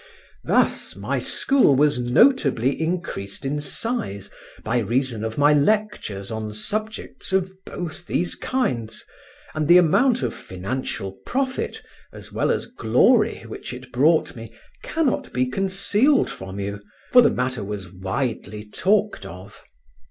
Thus my school was notably increased in size by reason of my lectures on subjects of both these kinds, and the amount of financial profit as well as glory which it brought me cannot be concealed from you, for the matter was widely talked of.